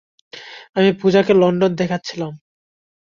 আমি পুজাকে লন্ডন দেখাচ্ছিলাম।